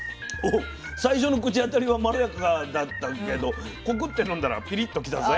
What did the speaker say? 最初の口当たりはまろやかだったんですけどコクッて飲んだらピリッと来たぜ。